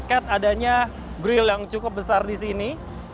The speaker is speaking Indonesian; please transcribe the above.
adanya grill yang cukup besar di sini